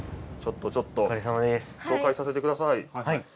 ちょっとちょっと紹介させてください。